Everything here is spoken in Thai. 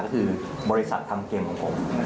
ก็คือบริษัททำเกมของผม